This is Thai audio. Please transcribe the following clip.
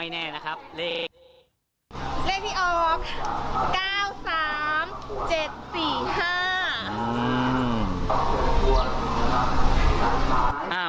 เลขที่ออก๙๓๗๔๕